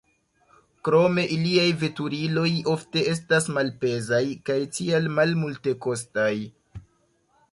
Krome iliaj veturiloj ofte estas malpezaj kaj tial malmultekostaj.